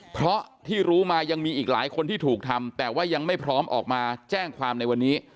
เพราะที่รู้มายังมีอีกหลายคนที่ถูกทำแต่ว่ายังไม่พร้อมออกมาแจ้งความในวันนี้